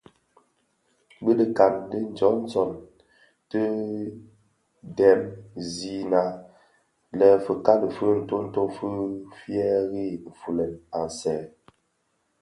Bi dhikan di Johnson ti dhem zina lè fikali fi ntonto fi fyèri nfulèn aň sèè.